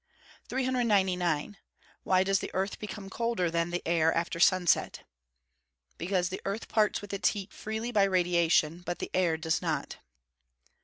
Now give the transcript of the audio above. Why does the earth become colder than the air after sunset? Because the earth parts with its heat freely by radiation; but the air does not.